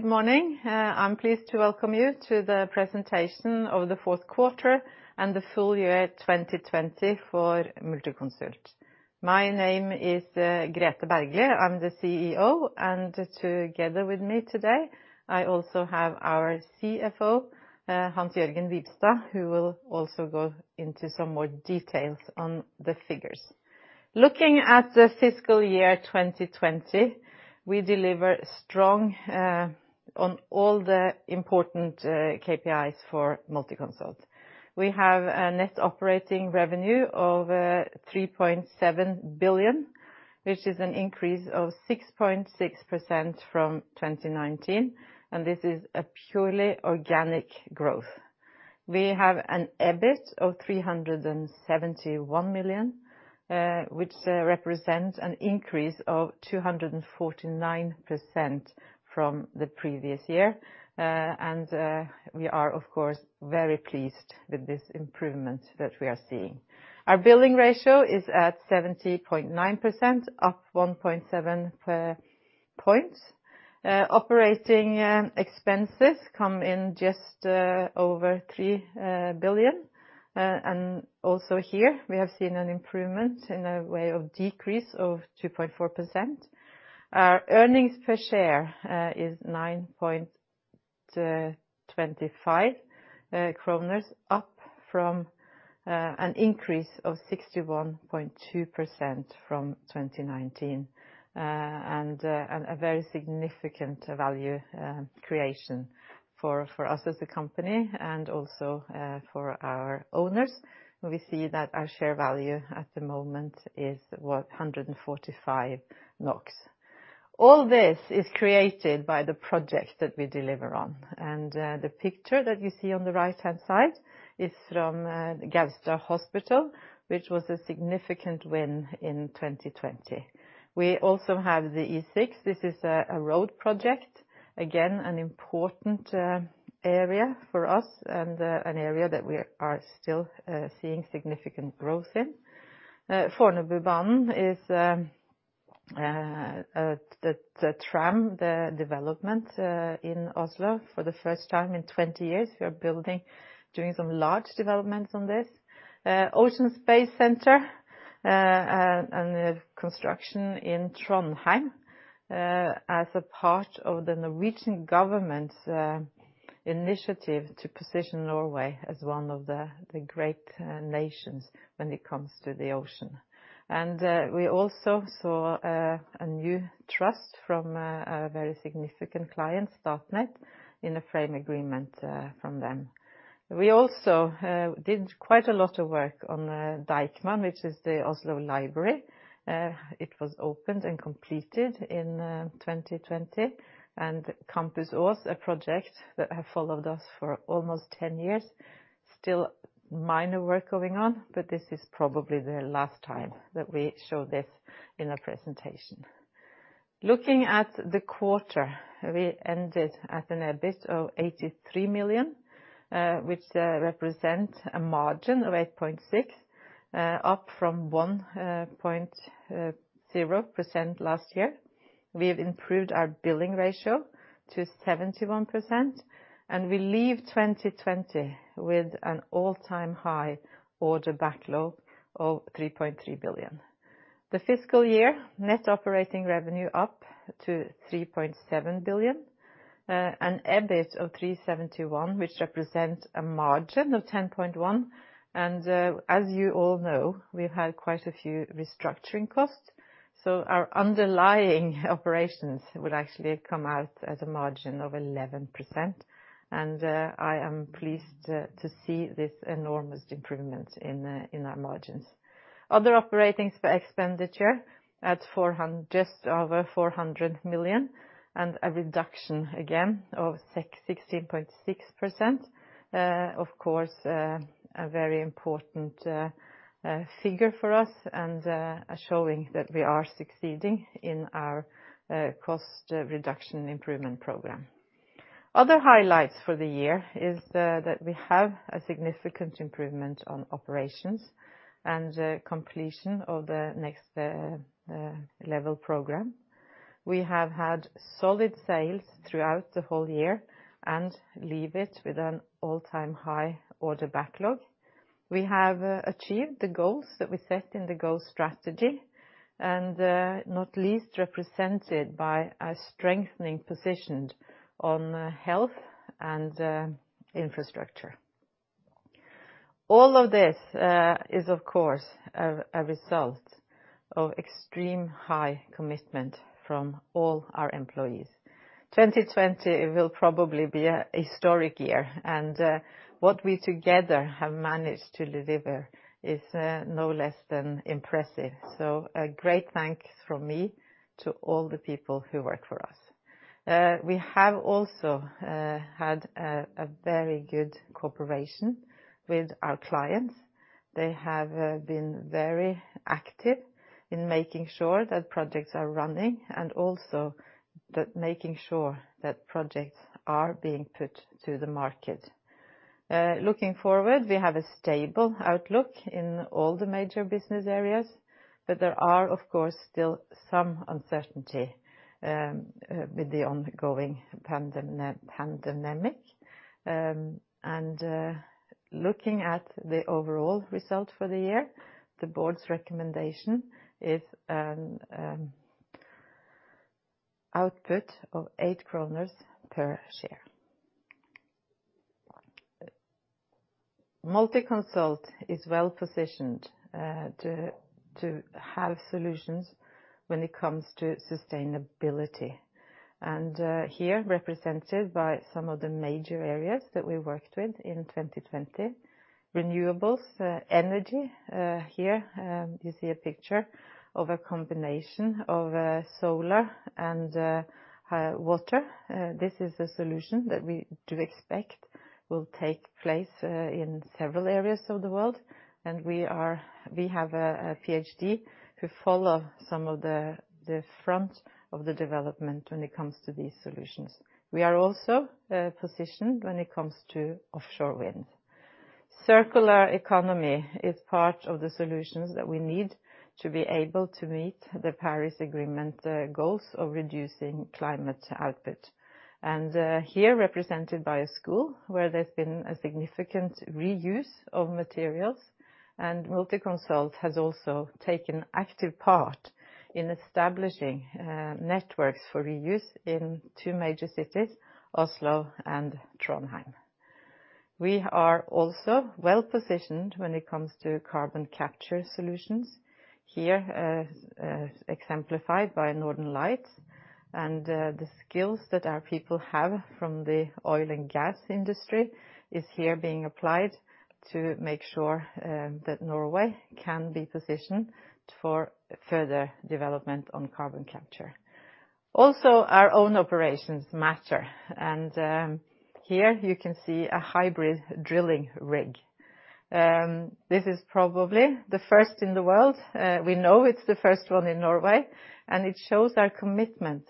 Good morning. I'm pleased to welcome you to the presentation of the fourth quarter and the full year 2020 for Multiconsult. My name is Grethe Bergly. I'm the CEO, and together with me today, I also have our CFO, Hans-Jørgen Wibstad, who will also go into some more details on the figures. Looking at the fiscal year 2020, we delivered strong on all the important KPIs for Multiconsult. We have a net operating revenue of 3.7 billion, which is an increase of 6.6% from 2019, and this is a purely organic growth. We have an EBIT of 371 million, which represents an increase of 249% from the previous year. We are, of course, very pleased with this improvement that we are seeing. Our billing ratio is at 70.9%, up 1.70 points. Operating expenses come in just over 3 billion. Also here we have seen an improvement in a way of decrease of 2.4%. Our earnings per share is 9.25 kroner, up from an increase of 61.2% from 2019. A very significant value creation for us as a company and also for our owners. We see that our share value at the moment is 145 NOK. All this is created by the projects that we deliver on. The picture that you see on the right-hand side is from Gaustad Hospital, which was a significant win in 2020. We also have the E6. This is a road project. Again, an important area for us and an area that we are still seeing significant growth in. Fornebubanen is the tram, the development in Oslo. For the first time in 20 years, we are doing some large developments on this. Ocean Space Center and the construction in Trondheim as a part of the Norwegian government's initiative to position Norway as one of the great nations when it comes to the ocean. We also saw a new trust from a very significant client, Statnett, in a frame agreement from them. We also did quite a lot of work on Deichman, which is the Oslo Library. It was opened and completed in 2020. Campus Ås, a project that have followed us for almost 10 years. Still minor work going on, but this is probably the last time that we show this in a presentation. Looking at the quarter, we ended at an EBIT of 83 million, which represent a margin of 8.6%, up from 1.0% last year. We have improved our billing ratio to 71%, and we leave 2020 with an all-time high order backlog of 3.3 billion. The fiscal year, net operating revenue up to 3.7 billion, an EBIT of 371, which represents a margin of 10.1%. As you all know, we've had quite a few restructuring costs, so our underlying operations will actually come out as a margin of 11%. I am pleased to see this enormous improvement in our margins. Other operating expenditure at just over 400 million and a reduction again of 16.6%. Of course, a very important figure for us and showing that we are succeeding in our cost reduction improvement program. Other highlights for the year is that we have a significant improvement on operations and completion of the nextLEVEL program. We have had solid sales throughout the whole year and leave it with an all-time high order backlog. We have achieved the goals that we set in the goal strategy, not least represented by a strengthening position on health and infrastructure. All of this is, of course, a result of extreme high commitment from all our employees. 2020 will probably be a historic year. What we together have managed to deliver is no less than impressive. A great thanks from me to all the people who work for us. We have also had a very good cooperation with our clients. They have been very active in making sure that projects are running and also that making sure that projects are being put to the market. Looking forward, we have a stable outlook in all the major business areas, there are, of course, still some uncertainty with the ongoing pandemic. Looking at the overall result for the year, the board's recommendation is an output of 8 kroner per share. Multiconsult is well-positioned to have solutions when it comes to sustainability, and here represented by some of the major areas that we worked with in 2020. Renewables energy. Here, you see a picture of a combination of solar and water. This is a solution that we do expect will take place in several areas of the world, and we have a PhD who follow some of the front of the development when it comes to these solutions. We are also positioned when it comes to offshore wind. Circular economy is part of the solutions that we need to be able to meet the Paris Agreement goals of reducing climate output. Here represented by a school where there's been a significant reuse of materials, and Multiconsult has also taken active part in establishing networks for reuse in two major cities, Oslo and Trondheim. We are also well-positioned when it comes to carbon capture solutions. Here exemplified by Northern Lights and the skills that our people have from the oil and gas industry is here being applied to make sure that Norway can be positioned for further development on carbon capture. Our own operations matter. Here you can see a hybrid drilling rig. This is probably the first in the world. We know it's the first one in Norway, and it shows our commitment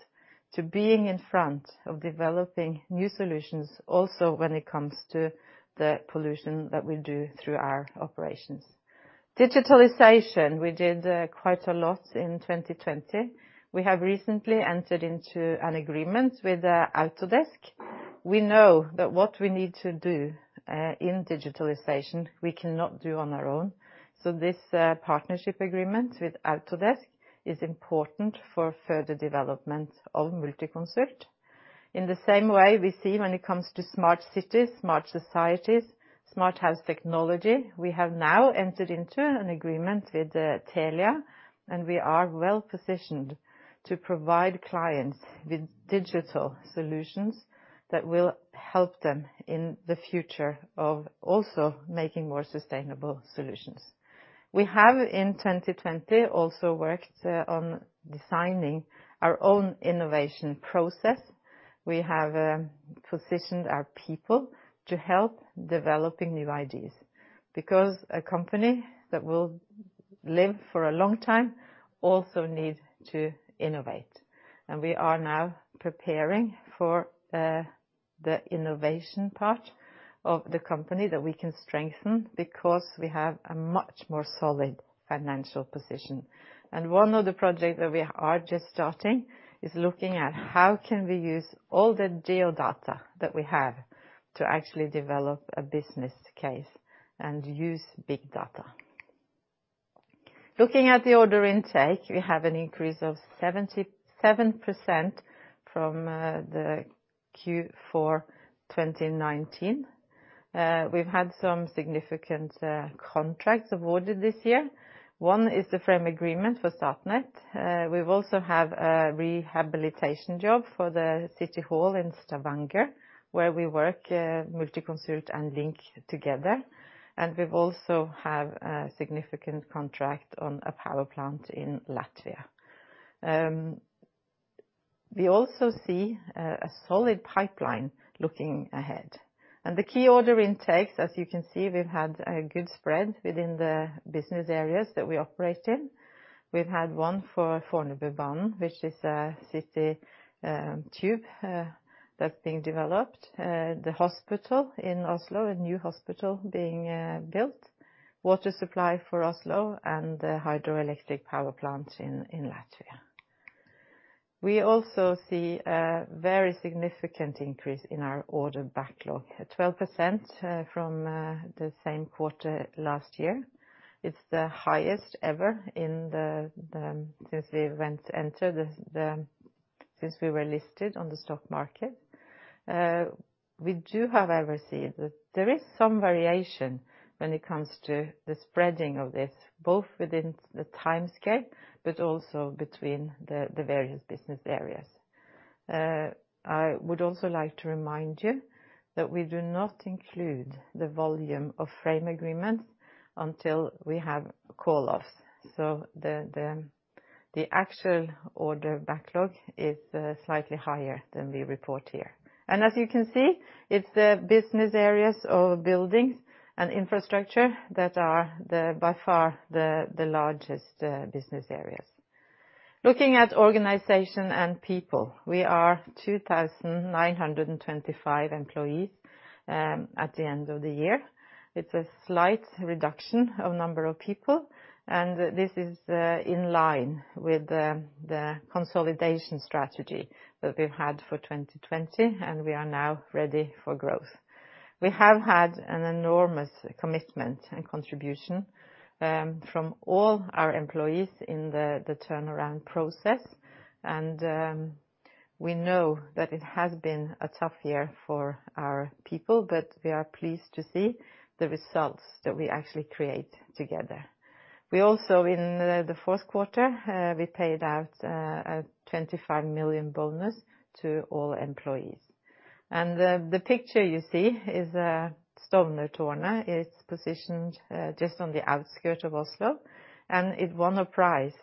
to being in front of developing new solutions, also when it comes to the pollution that we do through our operations. Digitalization. We did quite a lot in 2020. We have recently entered into an agreement with Autodesk. We know that what we need to do in digitalization, we cannot do on our own. This partnership agreement with Autodesk is important for further development of Multiconsult. In the same way we see when it comes to smart cities, smart societies, smart house technology. We have now entered into an agreement with Telia, and we are well-positioned to provide clients with digital solutions that will help them in the future of also making more sustainable solutions. We have in 2020 also worked on designing our own innovation process. We have positioned our people to help developing new ideas because a company that will live for a long time also need to innovate. We are now preparing for the innovation part of the company that we can strengthen because we have a much more solid financial position. One of the projects that we are just starting is looking at how can we use all the geo data that we have to actually develop a business case and use big data. Looking at the order intake, we have an increase of 77% from the Q4 2019. We've had some significant contracts awarded this year. One is the frame agreement for Statnett. We've also have a rehabilitation job for the city hall in Stavanger, where we work Multiconsult and LINK together, and we've also have a significant contract on a power plant in Latvia. We also see a solid pipeline looking ahead. The key order intakes, as you can see, we've had a good spread within the business areas that we operate in. We've had one for Fornebubanen, which is a city tube that's being developed. The hospital in Oslo, a new hospital being built, water supply for Oslo, and the hydroelectric power plant in Latvia. We also see a very significant increase in our order backlog at 12% from the same quarter last year. It's the highest ever since we were listed on the stock market. We do have, however, seen that there is some variation when it comes to the spreading of this, both within the timescale but also between the various business areas. I would also like to remind you that we do not include the volume of frame agreements until we have call off. The actual order backlog is slightly higher than we report here. As you can see, it's the business areas of buildings and infrastructure that are by far the largest business areas. Looking at organization and people. We are 2,925 employees at the end of the year. It's a slight reduction of number of people. This is in line with the consolidation strategy that we've had for 2020. We are now ready for growth. We have had an enormous commitment and contribution from all our employees in the turnaround process. We know that it has been a tough year for our people. We are pleased to see the results that we actually create together. We also, in the fourth quarter, we paid out a 25 million bonus to all employees. The picture you see is Stovner Torg. It's positioned just on the outskirt of Oslo. It won a prize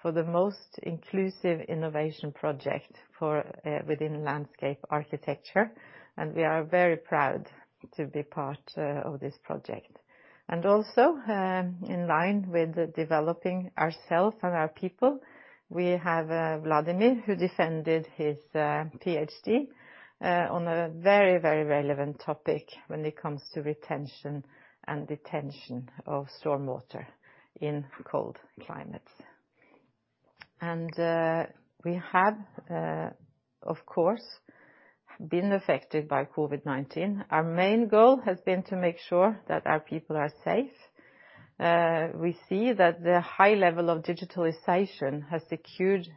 for the most inclusive innovation project within landscape architecture. We are very proud to be part of this project. Also, in line with developing ourselves and our people, we have Vladimír, who defended his PhD on a very relevant topic when it comes to retention and detention of storm water in cold climates. We have, of course, been affected by COVID-19. Our main goal has been to make sure that our people are safe. We see that the high level of digitalization has secured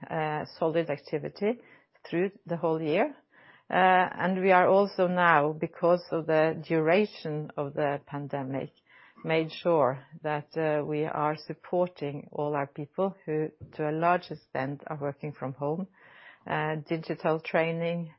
solid activity through the whole year. We are also now, because of the duration of the pandemic, made sure that we are supporting all our people who, to a large extent, are working from home. Digital training,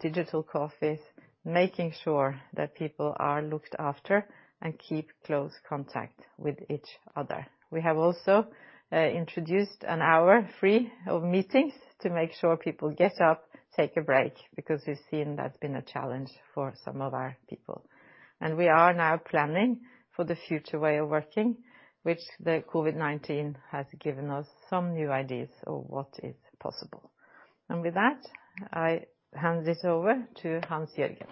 digital coffees, making sure that people are looked after, and keep close contact with each other. We have also introduced an hour free of meetings to make sure people get up, take a break, because we've seen that's been a challenge for some of our people. We are now planning for the future way of working, which the COVID-19 has given us some new ideas of what is possible. With that, I hand this over to Hans-Jørgen.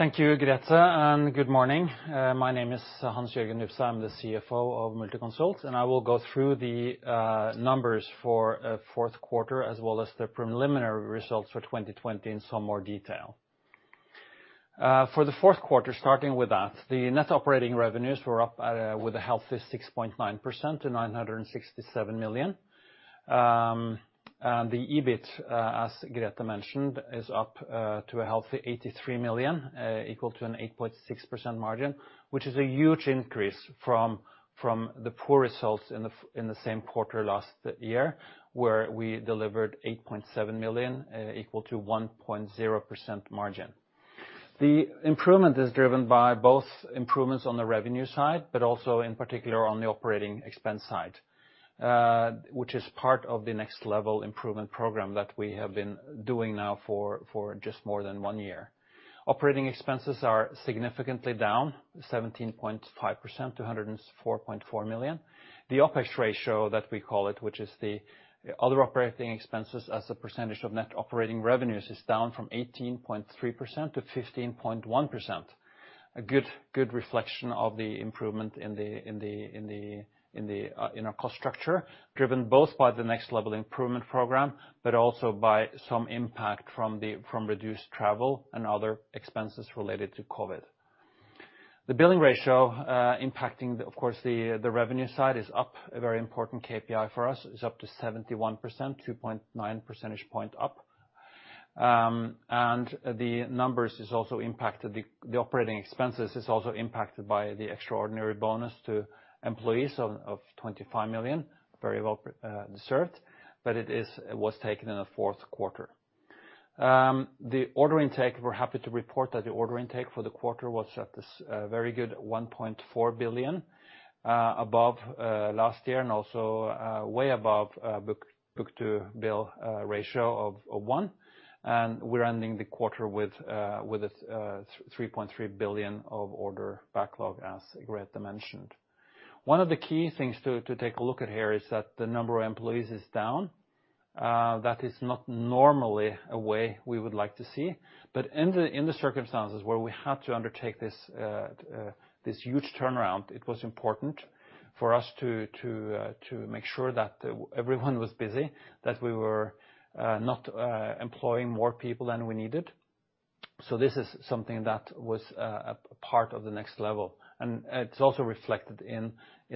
Thank you, Grethe, good morning. My name is Hans-Jørgen Wibstad. I'm the CFO of Multiconsult. I will go through the numbers for fourth quarter, as well as the preliminary results for 2020 in some more detail. For the fourth quarter, starting with that, the net operating revenues were up with a healthy 6.9% to 967 million. The EBIT, as Grethe mentioned, is up to a healthy 83 million, equal to an 8.6% margin, which is a huge increase from the poor results in the same quarter last year, where we delivered 8.7 million, equal to a 1.0% margin. The improvement is driven by both improvements on the revenue side, but also in particular on the operating expense side, which is part of the nextLEVEL improvement program that we have been doing now for just more than one year. Operating expenses are significantly down 17.5% to 104.4 million. The opex ratio that we call it, which is the other operating expenses as a percentage of net operating revenues, is down from 18.3% to 5.1%. A good reflection of the improvement in our cost structure, driven both by the nextLEVEL improvement program, but also by some impact from reduced travel and other expenses related to COVID. The billing ratio impacting, of course, the revenue side is up a very important KPI for us. It's up to 71%, 2.9 percentage point up. The numbers is also impacted, the operating expenses is also impacted by the extraordinary bonus to employees of 25 million. Very well deserved, but it was taken in the fourth quarter. The order intake, we're happy to report that the order intake for the quarter was at this very good 1.4 billion above last year, also way above book-to-bill ratio of one. We're ending the quarter with a 3.3 billion of order backlog, as Grethe mentioned. One of the key things to take a look at here is that the number of employees is down. That is not normally a way we would like to see. In the circumstances where we had to undertake this huge turnaround, it was important for us to make sure that everyone was busy, that we were not employing more people than we needed. This is something that was a part of the nextLEVEL, and it's also reflected in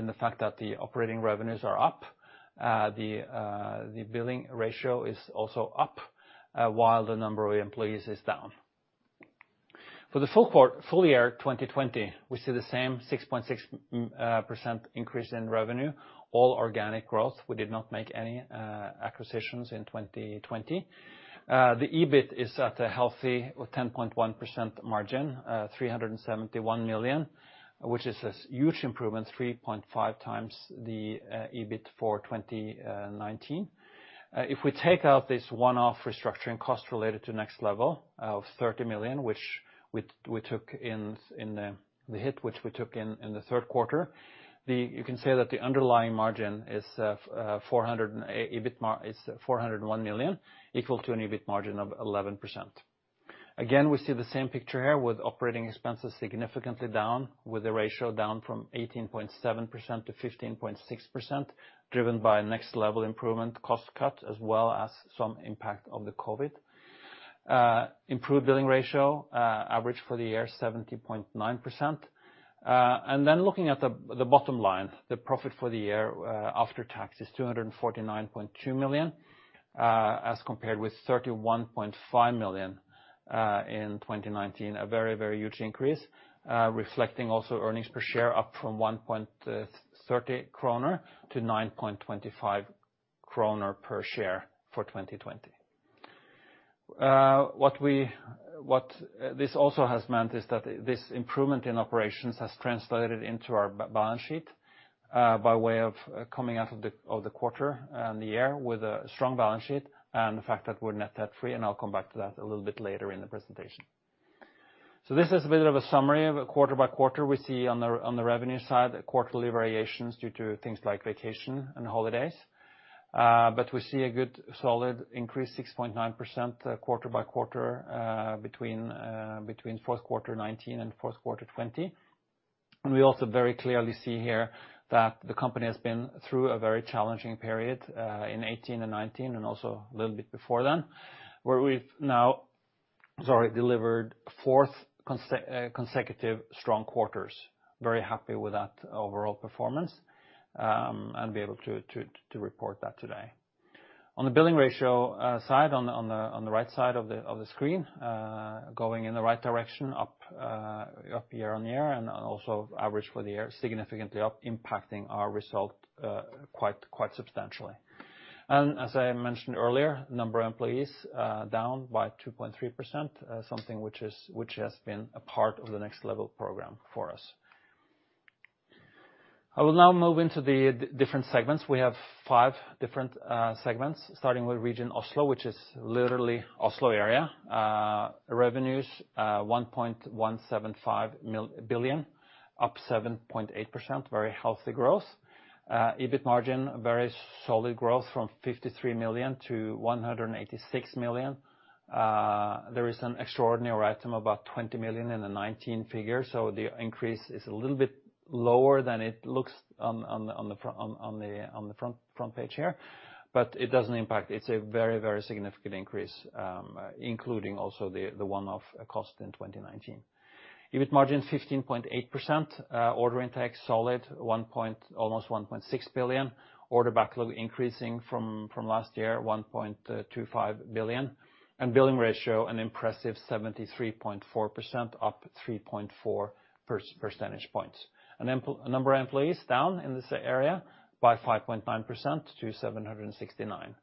the fact that the operating revenues are up. The billing ratio is also up, while the number of employees is down. For the full year 2020, we see the same 6.6% increase in revenue, all organic growth. We did not make any acquisitions in 2020. The EBIT is at a healthy 10.1% margin, 371 million, which is a huge improvement, 3.5x the EBIT for 2019. If we take out this one-off restructuring cost related to nextLEVEL of 30 million, the hit which we took in the third quarter, you can say that the underlying margin is 401 million, equal to an EBIT margin of 11%. We see the same picture here with operating expenses significantly down, with the ratio down from 18.7% to 15.6%, driven by nextLEVEL improvement cost cut, as well as some impact of the COVID. Improved billing ratio, average for the year, 70.9%. Looking at the bottom line, the profit for the year, after taxes, 249.2 million, as compared with 31.5 million in 2019. A very huge increase, reflecting also earnings per share up from 1.30 kroner to 9.25 kroner per share for 2020. What this also has meant is that this improvement in operations has translated into our balance sheet, by way of coming out of the quarter and the year with a strong balance sheet, and the fact that we're net debt-free, and I'll come back to that a little bit later in the presentation. This is a bit of a summary of quarter by quarter. We see on the revenue side, quarterly variations due to things like vacation and holidays. We see a good solid increase, 6.9%, quarter by quarter, between fourth quarter 2019 and fourth quarter 2020. We also very clearly see here that the company has been through a very challenging period, in 2018 and 2019, and also a little bit before then, where we've now delivered fourth consecutive strong quarters. Very happy with that overall performance, and be able to report that today. On the billing ratio side, on the right side of the screen, going in the right direction, up year-on-year, and also average for the year, significantly up, impacting our result quite substantially. As I mentioned earlier, number of employees, down by 2.3%, something which has been a part of the nextLEVEL program for us. I will now move into the different segments. We have five different segments, starting with Region Oslo, which is literally Oslo area. Revenues, 1.175 billion, up 7.8%, very healthy growth. EBIT margin, very solid growth from 53 million to 186 million. There is an extraordinary item, about 20 million in the 2019 figure, so the increase is a little bit lower than it looks on the front page here, but it doesn't impact. It's a very, very significant increase, including also the one-off cost in 2019. EBIT margin 15.8%, order intake solid, almost 1.6 billion. Order backlog increasing from last year, 1.25 billion. Billing ratio, an impressive 73.4%, up 3.4 percentage points. Number of employees down in this area by 5.9% to 769.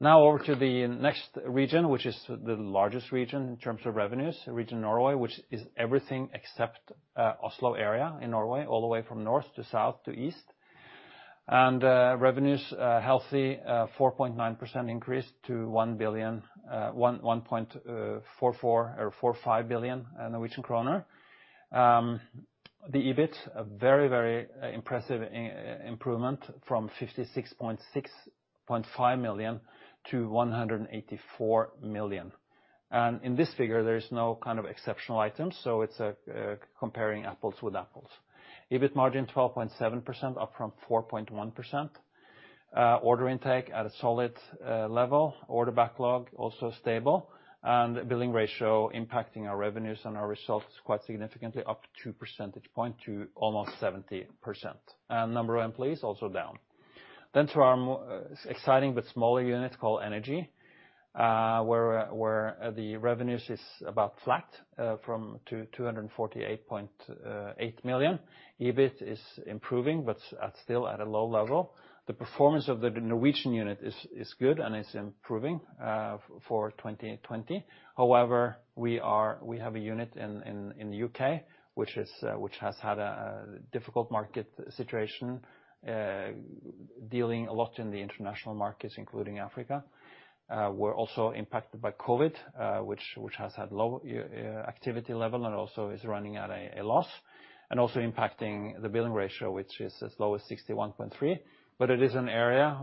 Now over to the next region, which is the largest region in terms of revenues, Region Norway, which is everything except Oslo area in Norway, all the way from north to south to east. Revenues, healthy, 4.9% increase to 1.45 billion. The EBIT, a very, very impressive improvement, from 56.5 million to 184 million. In this figure, there is no kind of exceptional items, so it's comparing apples with apples. EBIT margin 12.7%, up from 4.1%. Order intake at a solid level. Order backlog also stable. Billing ratio impacting our revenues and our results quite significantly, up two percentage points to almost 70%. Number of employees also down. To our more exciting but smaller unit called Energy, where the revenues is about flat from to 248.8 million. EBIT is improving, but at still at a low level. The performance of the Norwegian unit is good and is improving, for 2020. However, we have a unit in the U.K., which has had a difficult market situation, dealing a lot in the international markets, including Africa. We're also impacted by COVID, which has had low activity level and also is running at a loss, and also impacting the billing ratio, which is as low as 61.3%. It is an area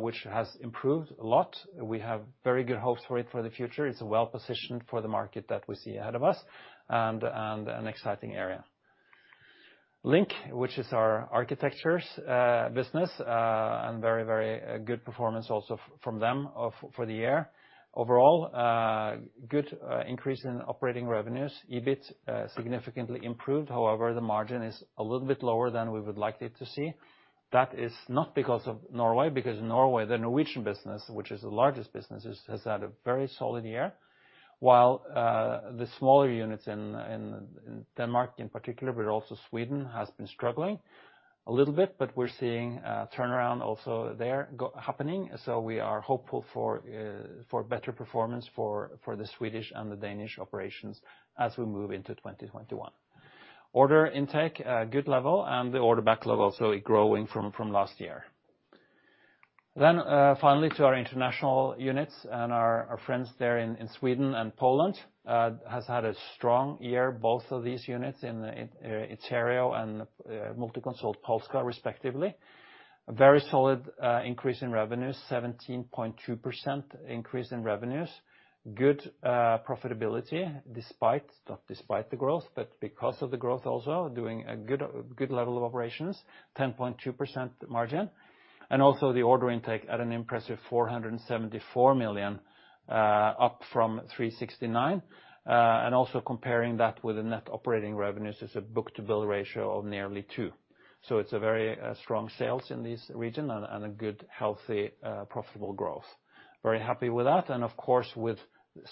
which has improved a lot. We have very good hopes for it for the future. It's well-positioned for the market that we see ahead of us and an exciting area. LINK, which is our architectures business, and very, very good performance also from them for the year. Overall, good increase in operating revenues. EBIT, significantly improved. However, the margin is a little bit lower than we would like it to see. That is not because of Norway, because Norway, the Norwegian business, which is the largest business, has had a very solid year. While the smaller units in Denmark in particular, but also Sweden, has been struggling a little bit, but we're seeing a turnaround also there happening. We are hopeful for better performance for the Swedish and the Danish operations as we move into 2021. Order intake, good level, and the order backlog also growing from last year. Finally to our international units and our friends there in Sweden and Poland. Has had a strong year, both of these units, in Iterio and Multiconsult Polska, respectively. A very solid increase in revenues, 17.2% increase in revenues. Good profitability, not despite the growth, but because of the growth also, doing a good level of operations, 10.2% margin. Also the order intake at an impressive 474 million, up from 369 million. Also comparing that with the net operating revenues is a book-to-bill ratio of nearly two. It's a very strong sales in this region and a good, healthy, profitable growth. Very happy with that. Of course, with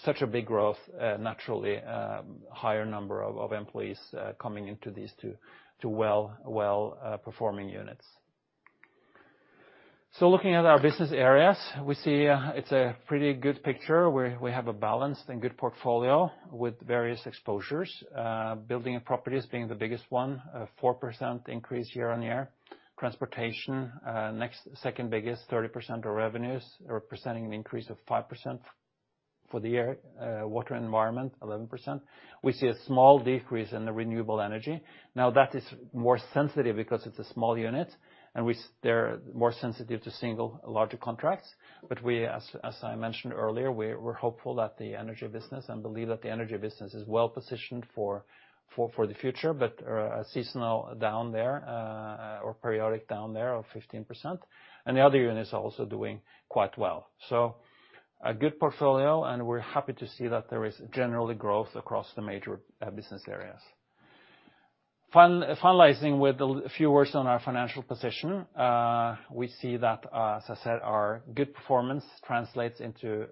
such a big growth, naturally, a higher number of employees coming into these two well-performing units. Looking at our business areas, we see it's a pretty good picture where we have a balanced and good portfolio with various exposures. Building and properties being the biggest one, a 4% increase year-over-year. Transportation, second biggest, 30% of revenues, representing an increase of 5% for the year. Water and environment, 11%. We see a small decrease in the renewable energy. That is more sensitive because it's a small unit, and they're more sensitive to single larger contracts. As I mentioned earlier, we're hopeful and believe that the energy business is well positioned for the future, a seasonal down there, or periodic down there of 15%. The other units are also doing quite well. A good portfolio, and we're happy to see that there is generally growth across the major business areas. Finalizing with a few words on our financial position. We see that, as I said, our good performance translates into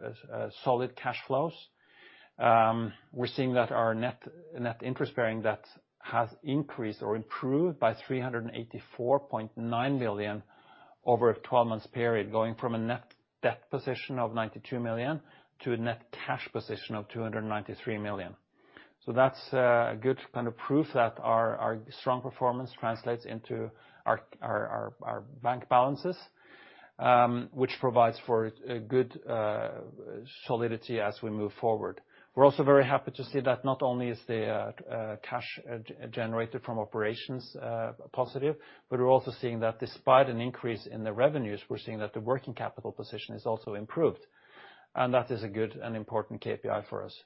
solid cash flows. We're seeing that our net interest-bearing debt has increased or improved by 384.9 million over a 12-month period, going from a net debt position of 92 million to a net cash position of 293 million. That's a good proof that our strong performance translates into our bank balances, which provides for a good solidity as we move forward. We're also very happy to see that not only is the cash generated from operations positive, but we're also seeing that despite an increase in the revenues, we're seeing that the working capital position is also improved. That is a good and important KPI for us.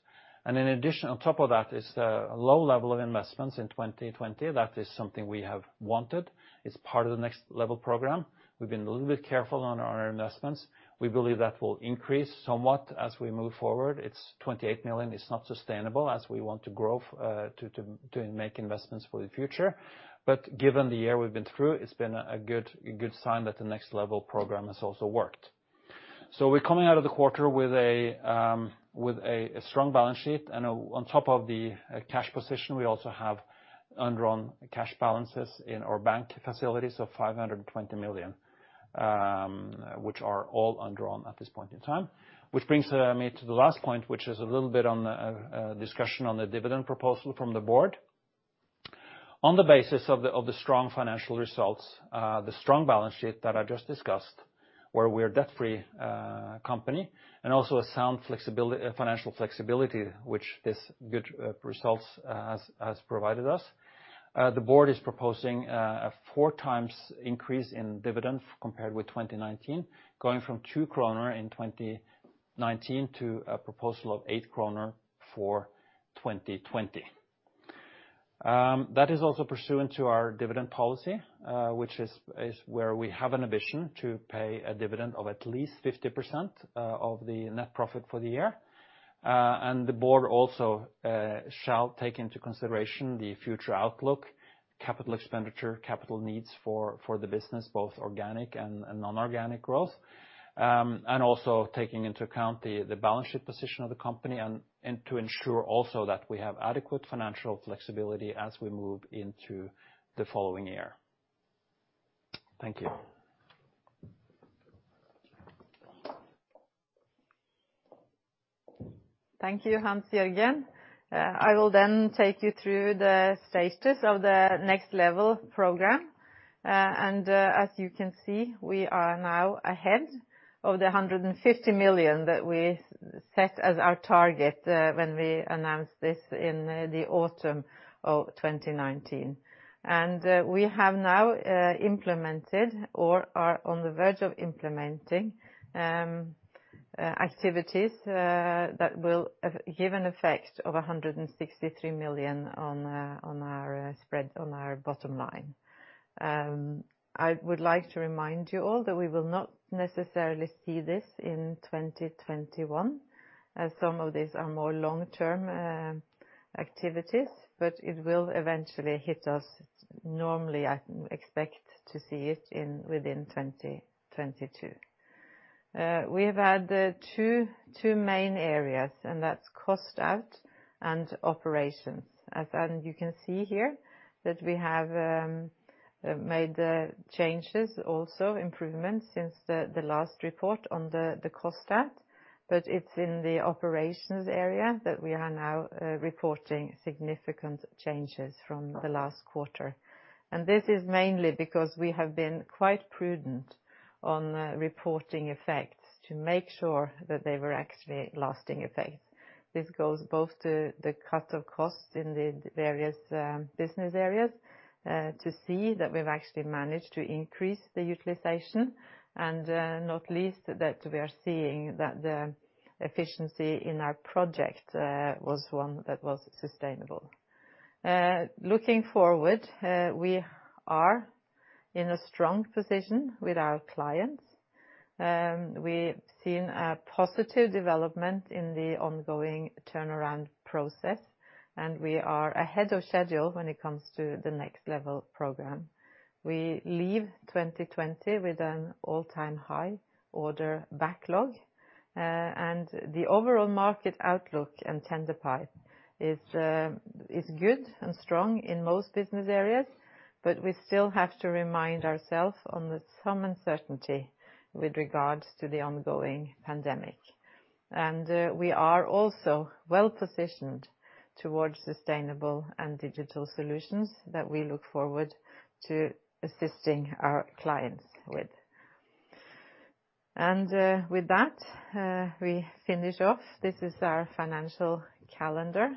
In addition, on top of that is the low level of investments in 2020. That is something we have wanted. It's part of the nextLEVEL program. We've been a little bit careful on our investments. We believe that will increase somewhat as we move forward. It's 28 million. It's not sustainable as we want to grow to make investments for the future. Given the year we've been through, it's been a good sign that the nextLEVEL program has also worked. We're coming out of the quarter with a strong balance sheet. On top of the cash position, we also have undrawn cash balances in our bank facilities of 520 million, which are all undrawn at this point in time. Which brings me to the last point, which is a little bit on a discussion on the dividend proposal from the board. On the basis of the strong financial results, the strong balance sheet that I just discussed, where we're a debt-free company, and also a sound financial flexibility, which this good results has provided us. The board is proposing a four times increase in dividends compared with 2019, going from 2 kroner in 2019 to a proposal of 8 kroner for 2020. That is also pursuant to our dividend policy, which is where we have an ambition to pay a dividend of at least 50% of the net profit for the year. The board also shall take into consideration the future outlook, capital expenditure, capital needs for the business, both organic and non-organic growth. Also taking into account the balance sheet position of the company and to ensure also that we have adequate financial flexibility as we move into the following year. Thank you. Thank you, Hans-Jørgen. I will take you through the status of the nextLEVEL program. As you can see, we are now ahead of the 150 million that we set as our target when we announced this in the autumn of 2019. We have now implemented or are on the verge of implementing activities that will give an effect of 163 million on our spread on our bottom line. I would like to remind you all that we will not necessarily see this in 2021, as some of these are more long-term activities, but it will eventually hit us. Normally, I expect to see it within 2022. We have had two main areas, that's cost out and operations. You can see here that we have made changes also, improvements since the last report on the cost out, but it's in the operations area that we are now reporting significant changes from the last quarter. This is mainly because we have been quite prudent on reporting effects to make sure that they were actually lasting effects. This goes both to the cut of costs in the various business areas to see that we've actually managed to increase the utilization and, not least, that we are seeing that the efficiency in our project was one that was sustainable. Looking forward, we are in a strong position with our clients. We've seen a positive development in the ongoing turnaround process, and we are ahead of schedule when it comes to the nextLEVEL program. We leave 2020 with an all-time high order backlog. The overall market outlook and tender pipe is good and strong in most business areas, but we still have to remind ourselves on some uncertainty with regards to the ongoing pandemic. We are also well positioned towards sustainable and digital solutions that we look forward to assisting our clients with. With that, we finish off. This is our financial calendar.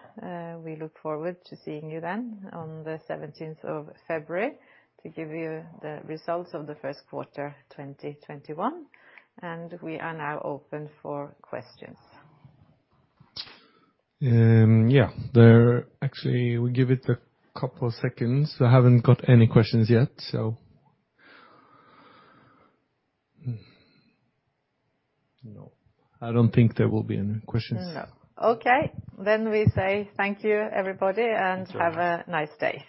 We look forward to seeing you then on the 17th of February to give you the results of the first quarter 2021. We are now open for questions. Yeah. Actually, we give it a couple of seconds. I haven't got any questions yet, so No. I don't think there will be any questions. No. Okay. We say thank you, everybody, and have a nice day.